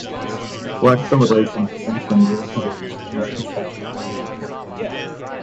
"Black Celebration" has since been reappraised in retrospective reviews.